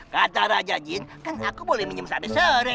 kata raja jin kan aku boleh minum sade sore